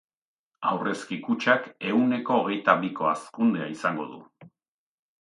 Aurrezki Kutxak ehuneko hogeita biko hazkundea izango du.